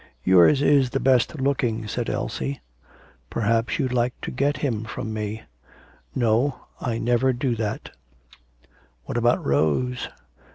'Yours is the best looking,' said Elsie. 'Perhaps you'd like to get him from me.' 'No, I never do that.' 'What about Rose?'